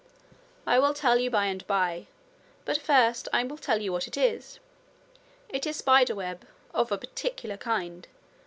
'I will tell you by and by. But first I will tell you what it is. It is spider web of a particular kind.